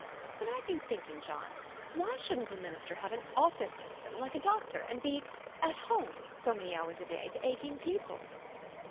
" But I've been thinking, John, why shouldn't a minister have an office S3 r stem, like a doctor, and be ' at home,' so many hours a day to aching people?"